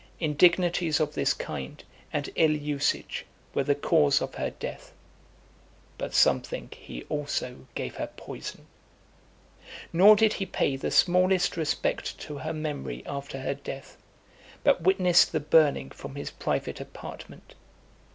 Indignities of this kind, and ill usage, were the cause of her death; but some think he also gave her poison. Nor did he pay the smallest respect to her memory after her death, but witnessed the burning from his private apartment.